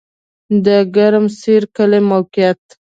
د ګرم سر کلی موقعیت